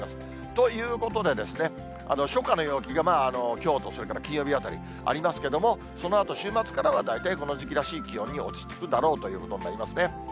ということで、初夏の陽気がきょうと、それから金曜日あたり、ありますけども、そのあと週末からは大体この時期らしい気温に落ち着くだろうということになりますね。